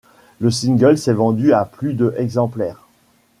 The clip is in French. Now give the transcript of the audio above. Le single s'est vendu à plus de exemplaires.